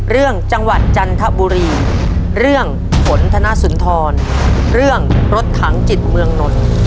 เรื่องจังหวัดจันทบุรีเรื่องฝนธนสุนทรเรื่องรถถังจิตเมืองนนท์